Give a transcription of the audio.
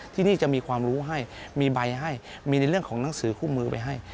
ที่นี่จะมีความรู้ให้มีใบให้มีในเรื่องของหนังสือคู่มือไว้ให้